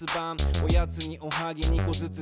おやつにおはぎ２こずつ食べた。